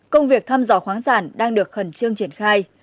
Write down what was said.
công việc thăm dò khoáng sản đang được khẩn trương triển khai